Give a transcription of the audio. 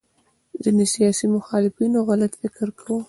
ځینې سیاسي مخالفینو غلط فکر کاوه